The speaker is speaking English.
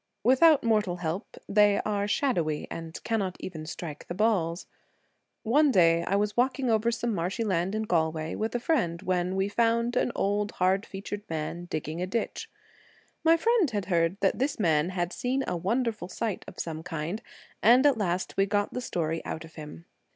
Without mortal help they are shadowy and cannot even strike the balls. One day I was walking over some marshy land in Galway with a friend when we found an old, hard featured man digging a ditch. My friend had heard that this man had seen a wonderful sight of some kind, and at last we got the story out of him.